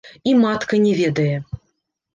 І матка не ведае.